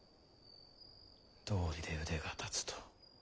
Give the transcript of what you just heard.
道理で腕が立つと。